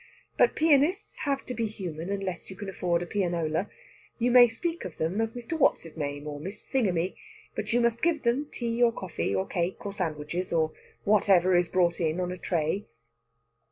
But pianists have to be human unless you can afford a pianola. You may speak of them as Mr. What's his name, or Miss Thingummy, but you must give them tea or coffee or cake or sandwiches, or whatever is brought in on a tray.